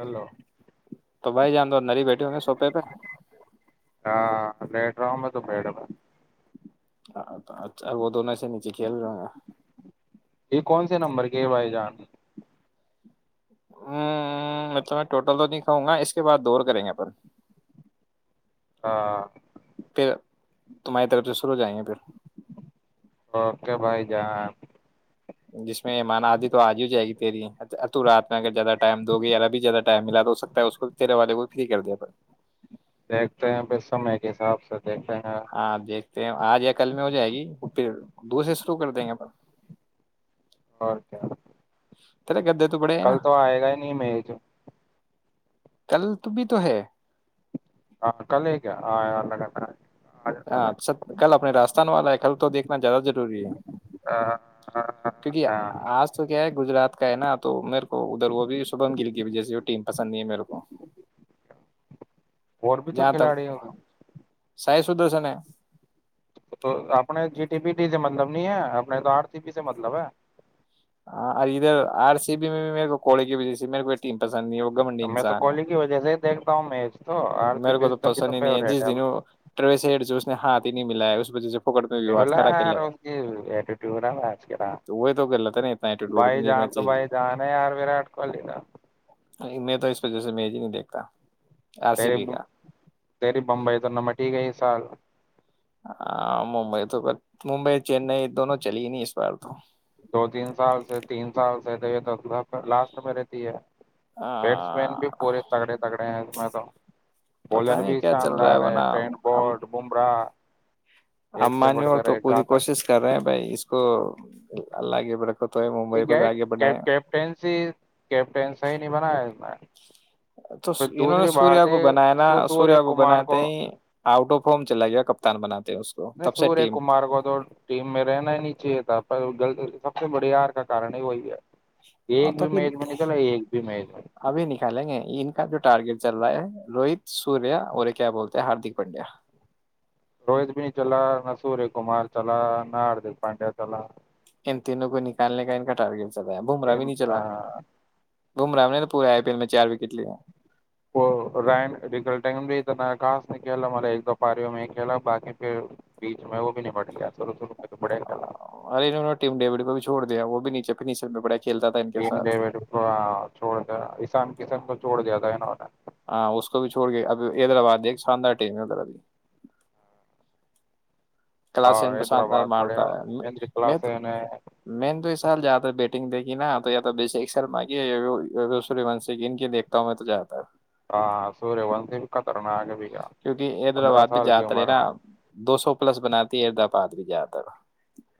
Hello تو بھائی جان دو نری بیٹے ہوں گے سوپے پہ ہاں لیٹ رہا میں تو بیٹ رہ رہا ہاں تو اچھا وہ دون نچی کلرا گ [unintelligible] یہ کون نمبر کے وائی جان ہاں ہ میں ٹل تو نہیں وں گا اس کے بعد دور کریں گے پر ہاں تو میں ت [unintelligible] لو جیں گے پھر اوکے بھائی جان جس میں مانا آادھی تو آج ہی ہو جائے گی تیری رات میں اگر زیادہ ٹائم دو گی ابھی زیادہ ٹائم ملا تو ہو سکتا ہے اس کو تیرے والے کو فری کر دیا دیکھتے ہیں پھر سمے کے حساب سے دیکھتے ہیں ہاں آپ دیکھتے ہیں آج یا کل میں ہو جائے گی پھر دوسرے تو کر دیں گے پر اور کیا گدے بڑے ہیں نا کل تو آئے گا ہی نہیں م جو [unintelligible] ہاں کلے کے آ اللہگن ہاں کل اپنے راجستان والا ہے کل تو دیکھنا زیادہ ضروری ہے ہے۔ کیونکہ ہاں آج تو کیا ہے گجرات کا ہے نا تو میرے کو ادھر وہ بھی شبم گل گ جیسی وہ ٹیم پسند نہیں ہے میرے کو اور بھی تو کھلاڑی ہوا سائ سدر سے ن تو اپنے جی ٹی پی ٹی سے مطلب نہیں ہے اپنے تو آر سی پی سے مطلب ہے ہاںرھر آر سی [unintelligible] تین پسند نہیں وگا منڈی میں تو انسناا کوہلی کی وجہ [unintelligible] آر سی میرے کو پی تو تبھی پسند ہی نہیں ہے فیوریٹ جس اپنے دنس نے ہاتھ ہی نہیں ملایا اس وجہ سےب ب ار اسٹیٹیوڈ ہےج کے تو وہ تو غلط ہے نا اتنا ایٹیٹیوڈ بھائی بھی جان دیکھنا تو بھائی چاہیے جان ہے یار وراٹ کوہلی نا میں تو اس وجہ سے میں ہی نہیں دیکھتا آر سی تریے بی کا تریے بمبئی تو ن میں ٹھیک ہے سال ہاں ممبئی تو ممبئی چنئی دونوں چلی نہیں اس بار تو دو تین سال سے تین سال سے تو یہ لاسٹ میں رہتی ہے بیٹس مین بھی تو پورے تگڑے تکڑے ہیں اس میں تو پتہ بولر نہیں بھی کیا چل رہا شاندار ہے ورنہ ٹینڈ بٹ بمراہ ایک سے اانی بڑھ ہو کر تو ایک پوری گھاتک کوشش کر رہے ہیں بھائی اس کو اللہگے بر یہ کیپٹینسی کیپٹین صی نہیں بنایا اس میں تو پھر انہوں نے دوسری سوریا بات ہے کو بنا نا سوریہ سوریا کو کمار بناتے ہی آؤٹ آف فم چلا گیا کپتان بناتے ہیں اس کو تب نہیں سے سوریہ ٹیم کمار کو تو ٹیم میں رہنا نیچے تھا سب سے بڑے ہار کا کن ہی وہی ہے ا ایک تو بھی پھر میچ میں نکلا ایک بھی میچ میں ابھی نکالیں گے ان کا جو ٹارگیٹ چل رہا ہے روہت سوریا اورے کیا بولتے ہیں ہاردک پنڈیا روہت بنی چلا نہ سورج کمار چلا نہ ہاردک پانڈیا چلا ان تینوں کو نکالنے کا ان کا ٹارگیٹ چلایا بومرا بھی نہیں چلا گھوما ہم نے تو پورے آئی پی ایل میں چار وکٹ لیا ن خاص نہیں کھیلا مارے ایک دو پاریوں میں ہی کھیلا بقی پھر بیچ میں وہ بھی نمٹ گیا شرو شروع تو بڑھیا کھیلا ارے نےہ نے ٹیم ڈیوڈ کو بھی چھوڑ دیا وہ بھی نیچے پ نیچ [unintelligible] کیم دے بیٹپا چھوڑ ایسان کسان کو چھوڑ جیا ہے نہ ہاں اس کو بھی چھوڑ گیا اب حیدرآباد ایک شاندار ٹیم میں ابھی کلاسین اور حیدرآباد مارتا بڑھیا ہے مہندر میں تو کلاسے نے میں تو اس سال جاتا بیٹنگ دیک یہ نا تو یا تو بیسیک شرما گیا سور ونش کی ان کی دیکتاؤوں میں تو جاتا ہے ہاں سوریہ وند د کتار ن آگے بھی گیا کیونکہ پندرہ حیدرآباد بھی سال کی زیاد تر رہے عمر نا میں دو سو پلس بناتی تب پعد بھی جاتد ہے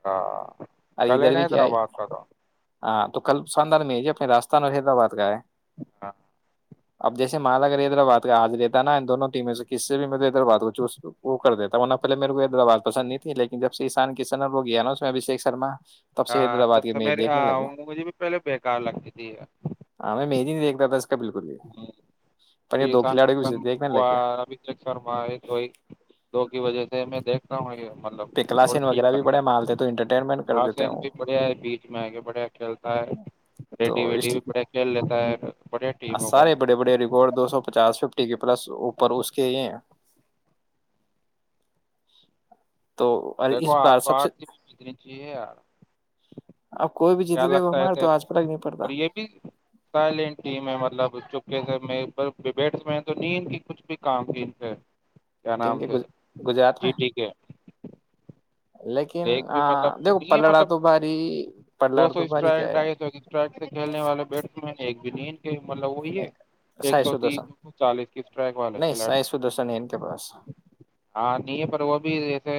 ہاں ارے کل ادھر نا بھی کیا ہے حیدرآباد کا تو ہاں تو کل شاندار میں ہے رستان اور حیدرآباد کا ہے ہاں اب جیسے مالاگ حیدرآباد کا حاج رہتا نا ان دونوں ٹیموں سے کس سے بھی میرے ایدرواز کو چوز وہ کر دیتا تھاوں نہ پہلے میرے کو ایدر آواز پسند نہیں تھی لیکن جب سے ایسان کشن اور وہ گیا نا اس میں ابھیشیک شرما تب سے ہاں حیدرآباد جب کے سے میچ میری آ دیکھنے لگے مجھے بھی پہلے بیکار لگتی تھی جی نہیں دیکھتابس بالکل ہے پر یہ دو کھلاڑے بھی ستے ایک مین لے کیا شرمائے کوئی دو کی وجہ سے میں دیکھتا ہوں یہ مطلب تھوڑا پکلاسین وغیرہ ٹھیک بھی لگنا بڑے ہے مالتے تو انٹرٹینمنٹ کر دیتے گاسین ہوں بھی بڑھئے بیچ میں آ کے بڑھیا کھیلتا ہے ریڈی تو ویڈی اس بھی بڑھیا کھیل لیتا ہے بڑھیا ٹیم ہو گئے سارے بڑے بڑے ملب ریکارڈ دو سو پچاس ففٹی کے پلس اوپر اس کے یہ تو اور دیکھو اس آ بار تو سب سے آرتی بھی جتنی چاہیے یار اب کوئی بھی کیا جیتے تھے وہ لگتا ہے ہمارے تو تیرے آج کو فرق نہیں پڑتا پر یہ بھی سائلینٹ ٹیم ہے مطلب چپ سے میںبٹس میں تو نہ کی کچھ بھی کام کی ان سے کیا کن نام کے سے گج گجرات جی میں ٹی کے لیکن ایک بھی مطلب دیکھو نہیں ہے پلڑا مطلب تو بھاری دو پلڑ سو تو بھاری اسٹرائک کیا ہے ڈھائی سو اسٹرائک سے کھیلنے والے بیٹسمین ایک جنید مطلب وہی نہیں ہے ایک سائی سو تیس دوسن سو چالیس کے اسٹرائک والے نہیں کھلاڑی سائی سو دوسن ہے ان کے پاس ہاں نہیں ہے پر وہ بھی جیسے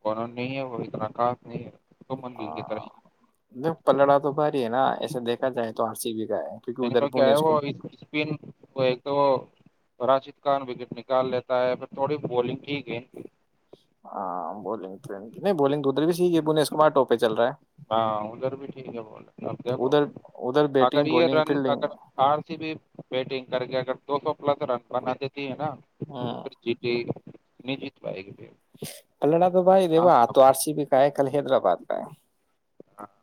کوونوں نہیں ہے وہ اتنا کافی نہیں ہے تو ہا مندل کی طرح ہی ہے۔ دیکھو پلڑا تو بھاری ہے نا ایسے دیکھا جائے تو آرسی بی کا ہے کیونکہ ادھر بینکل کیا پونے ہے اس وہ کو اسپن وہ ایک تو وہ راشد خان وکٹ نکال لیتا ہے پھر تھوڑی بولنگ ٹھیک ہے ہاں بولنگ نہیں بولنگ تو ادھر بھی سیھیے بنیش کمار ٹوپ پہ چل رہا ہے ہاں ادھر بھی ٹھیک ہے بولے ا تو دیکھو ادھر ادھر اگر بیٹنگ یہ بالنگ رن فیلڈنگ اگر ہار سی بھی بیٹنگ کر کے اگر دو سو [unintelligible] [unintelligible] نجت بے [unintelligible] پلڑا تو بھائی دیکو آ تو آر سی بی کا ہے کل حیدرآباد کا ہے ہاں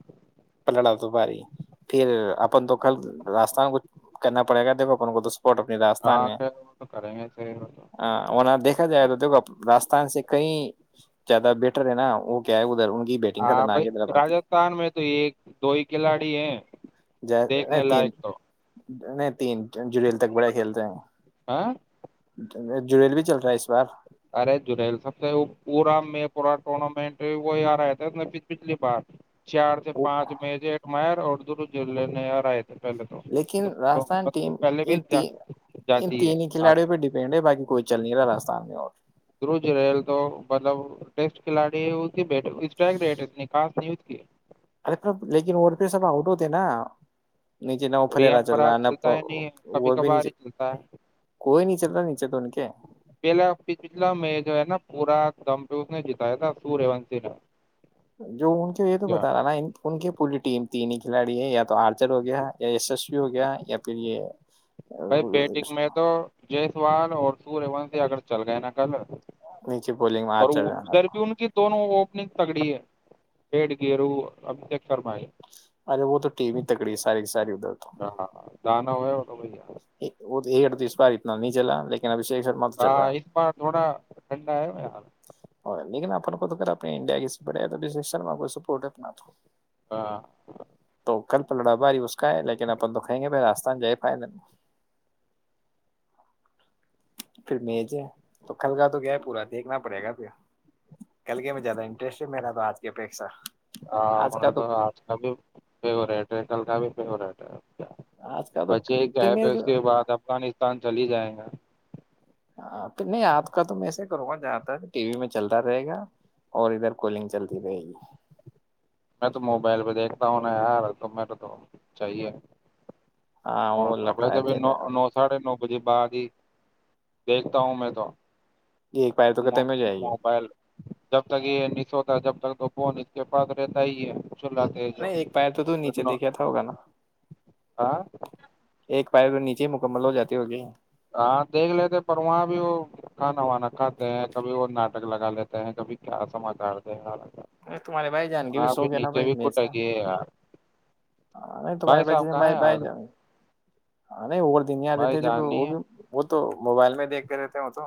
پلڑام دو باری پھر اپن تو کل راستان کچ کرنا پڑے گا دب اپن کو تو اپنی راستان ہاں میں ہ خیر وہ تو کریں گے صحیح وہ تو وہاں دیکھا جائے تو دیک راستھان سے کئی زیادہ بیہٹر ہے نا وہ کیا ہے ادھر کی بیٹنگ ہاں خطرناک بھائی ہے حیدرآباد کی راجستھان میں تو ایک دو ہی کھلاڑی ہیں نہیں دیکھنے تین لائق تو نہیں تین جڑل تک بڑا کھیلتے ہیں ہاں جڑیل بھی چل رہا ہے اس بار ارت جلل سب سے پورا میں پورا ٹورنامنٹ وہی آ رہا تھا اس میں پچھلی بار چار سے پانچ م سے ایک می ا دور جلے آ رہ آ لیکن راجستھان ٹیم پہلے بھی ان ت جا- ان جاتی ہے تین ہی آگے کھلاڑیوں پہ ڈپینڈ ہے باقی کوئی چل نہیں رہا رجستھان میں اور دج رہیل تو مطلب ٹیسٹ کھلاڑی بی اتنی خص نہیں اس کی ارے لیکن اور پھر سب آؤٹ ہوتے نا نیچے نہ وہ ران فریرا چل پرراگ رہا نہ چلتا ہے نہیں کبھی وہ بھی کبھار نیچے ہی چلتا ہے کوئی نہیں چل رہا نیچے تو ان کے پہلاتلا میں جو ہے نا پورا دم پیو نے جتایا تھا سوری وونش نے جو ان کے یہ تو کیا بتا رہا نا ان کی پوری ٹیم تین ہی کھلاڑی ہے یا تو آرچر ہو گیا یا سسوی ہو گیا یا پھر یہ بھائی بیٹنگ میں تو ج سوال اور سووروون سے اگر چل گئے نا کل نیچے بولنگ میں اور آرچر رہا۔ ادھر بھی ان کی دونوں اپنی تگڑی ہے پٹ گھییرو اب شرمائی ارے وہ تو ٹیم ہی تکڑی ساری کی ساری ادھر تو ہاں دانا ہو وہ تو بھ وہ تو ایکٹ تو اس بار اتنا نہیں چلا لیکن ابھی سے ایک سر م تو چل رہا ہاں اس بار تھوڑا ٹھنڈا ہے یار لیکن اپن کو تو کر اپنے انڈیا کیڑے شرم کو سپورٹ ہے اپنا تو ہاں تو کل پ لڑا بااری اس کا ہے لیکن اپن دکھیں گے پ راستہ جائے فائدل پھر مج ہے تو کھل کاا تو گیا ہے پورا دیکھنا پڑے گا کل گ میں زیادہ انٹرسٹ ہے میرا تو آج کی اپیکشا ہاں آج نے کا تو آج کا بھی فگ رہیٹ ہے کل کا بھی ب رہتا آج کا تو بچے پھر کیا پہ میں اس کے بعد افغانستان چل ہی جائے گا ہاں پھر نہیں آپ کا تو میںسے ہی کروں گا جہاں ت ٹی وی میں چلتا رہے گا اور ادھر کولنگ چلتی رہے گی میں تو موبائل پہ دیکھتا ہوں نا یار تو م تو تو چاہیے ہاں وہ تو لفٹا ن تیرا نو ساھے نو مجھے باتد ہی دیکھتا ہوں میں تو ایک پیر تو ختم ہو جائے گی موبائل جب تک یہو جب تک تو کون اس کے پاس رہتا ہی ہے چلاتے جو نہیں ایک پیر تو تو نیچے دیکھیا تھا ہوگا نا ہاں ایک نیے مک ہاں دیکھ لیتے پر وہاں بھی وہ نوانا کھاتے ہیں کبھی وہ ناٹک لگا لیتے ہیں کبھی کیا سما کتے ہیں نہیں تمہارے بائی جائان گے بھی سو گ نا بھائی کٹے ما گی ہے یار نہیں تمہارے بھائی بائی ج صاحب کہاں بائی ہیں بائی آج جؤ گ ارے وہ دنیا آ بھائی دیتے جب جان وہ نہیں ہے بھی وہ تو موبائل میں دیکھتے رہتے ہو تو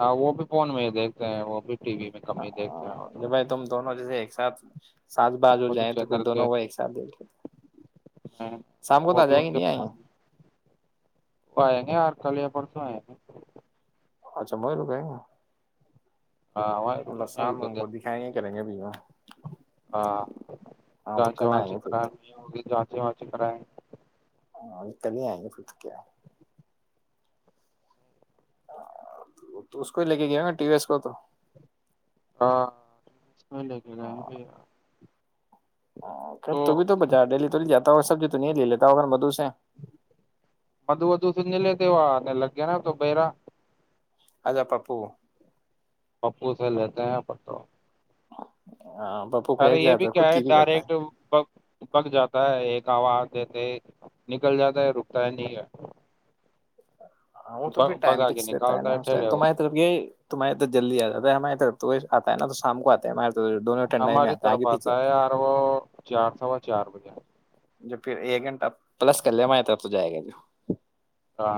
ہاں وہ بھی فون میں ہی دیکھتے ہیں وہ بھی ٹی وی میں کم ہی دیکھتے ہیں وہ تو یہ بھائی تم دونوں جیسے ایک ساتھ سج باز ہو وہ جائیں تو پھر چینل کے دونوں کو ایک ساتھ د ہیں شام کو تو وہ آ بھی جائے گے ان کے نہیں آئے فون میں وہ آئےیں گے آر کلیہ پرسوں آئے گے اچھا وہ لوگ کہیں گا ہاں وہ رک ایک دو د دکھائیں گے کریں گے بھی وہ، ہاں ہاں تو جانچے کل آئیں واچے گے پھر کرا تو ہوگ جانچے واچے کرائے ہاں نکلنے آئیں گے پھر تو کیا تو اس کو ہی لے کے گیا ہو گا ٹی وس کو تو ہاں اس میں لے کے گیا ب ھر ت بھی تو بجار دہلی تو ل جاتا ہو سبزی تو نہیں لے لیتا ہو اگر مدو سے لگیا نا تو برا اا پا پو پپو سے لیتے ہیں پٹوں ہاں پپو کہ ارے یہ جاتا بھی کیا خود ہے کی کرتا ڈائریکٹ ہے ب بگ جاتا ہے ایک گو کہتے نکل جاتا ہے رکتا ہے نہیں ہے ہاں وہ تو پھر ٹائم فکستا ہےا ہے اس ٹھیلے کو تمہاری طف یہی تمہاریے طر جلدی آ جاتا ہے ہماری طرف تو آتا ہے ن تو شام کو آتا ہے تو دونوں ٹھنڈائی میں ہماری ہے طرف آگے آتا پیچھے ہے آار وہ چار سو چار بجے جب پھر ایک گھنٹہ پلس کلم آتاب تو جائے گا جو ہاں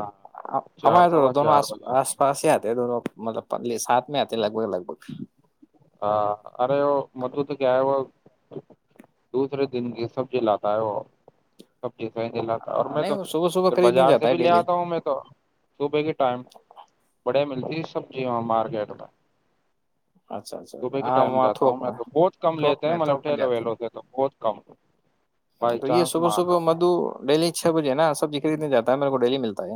چار ہمار تو سوا دونوں آ چار بجے آتا آس ہے۔ پاس تے دونوں مطلب پلے ساتھ میں آتے لگ بھگ لگ بھگ ہاں ارے وہ مدھو تو کیا ہے وہ دوسرے دن کی سب جی لاتا ہے وہ سب اور میں تو نہیں صبح صبح پھر خریدنے بازار سے جاتا ہے بھی لے ڈیلی اتا ہوں میں تو صبح کے ٹائم بڑے سبزی مارکیٹ میں اچھا اچھا صبح کے ہاں ٹائم وہاں جاتا تھوک ہوں میں تو بہت کم تھوک لیتے ہیں میں تھوک مطلب میں ٹھیلے جاتی ہیں ویلوں سے تو بہت کم بائی تو یہ چانس صبح مار صبح لو مدو ڈیلی چھ بجے نا سبزی خریدنے جاتا ہے میرے کو ڈیلی ملتا ہے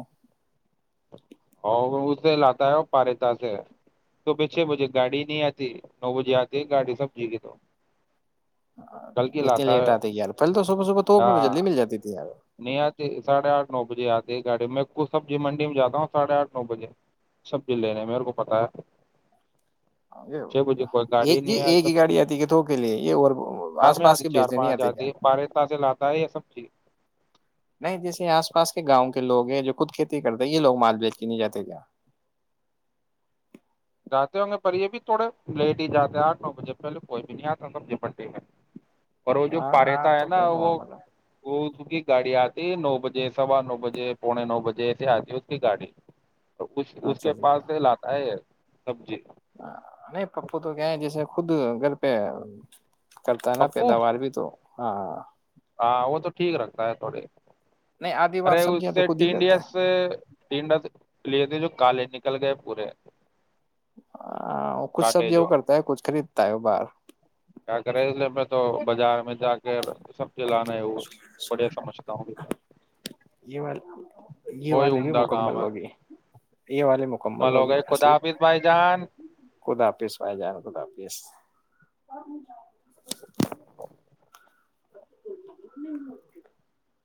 اور اسے لاتا ہے پارےتا سے تو پھر چھ بجے گاڑی نہیں آتی نو بجے آتی ہے گاڑی سب جی کی تو کل کی اتنی لاتا لیٹ ہے آتے یار پہل تو صبح صبح توک تو ہاں جلدی مل جاتی تھی یار نہیں آج سے آٹھ نو۔ بجھے آتی ہے گاڑی میں خود سبزی منڈی میں جاتا ہوں ساڑھے آٹھ نو بجے سبزی لینے میرے کو پتا ہے۔ چھ بجے کوئی یہ گاڑی نہیں ہے ایک ہی سبزی گاڑی آتی ہے کیا دو کے لیے یہ اور آس کام پاس آتی کے چار بیچنے نہیں پانچ آتے آتی کیا۔ ہے، بارہ سے لاتا ہے یہ سبزی نہیں جیسے آس پاس کے گاؤں کے لوگ ہیں جو خود کھیتی کرتے یہ لوگ مال بیچ کے نہیں جاتے کیا۔ جاتے ہونگے پر یہ بھی تھوڑے لیٹ ہی جاتے ہیں، آٹھ نو بجے پہلے کوئی بھی نہیں آتا سبزی منڈی میں۔ اور وہ جو ہاں پاریتا آپ ہے تو نا کوئی وہ نارمل ہے وہ۔ اس کی گاڑی آتی ہے نو بجے، سوا نو بجے، پونے نو بجے ایسے آتی ہے اس کی گاڑی۔ اس اس اچھا کے اچھا پاس سے لاتا ہے یہ۔ سبزی۔ نہیں پھپھو تو گیے ہے جیسے خود گھر پہ۔ کرتا ہے نا پپو پیداوار بھی تو۔ ہاں ہاں وہ تو ٹھیک رکھتا ہے تھوڑے۔ نہیں آدھی بات ارے اس سبزیاں تو سے خود ہی ٹینڈیا کرتا سے ٹینڈیا سے لیے کے جو کالے نکل گئے پورے۔ کچھ کاٹے سبزی وہ جو کرتا ہے کچھ خریدتا ہے وہ باہر۔ کیا کررہا ہے اسے لین میں تو بازار میں۔ جا کے اب سبزی لانا ہے اور، بڑھیا سمجھتا ہوں یہ والے یہ وہی والے بھی عمدہ کام مکمل ہے، ہوگی یہ والے مکمل عمل ہو ہوگی گئی خدا اصلی حافظ بھائی جان۔ خدا حافظ بھائی جان خدا حافظ [unintelligible] [unintelligible]